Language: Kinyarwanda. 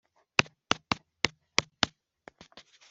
bakoraga ibintu ariko batazi uko bikorwa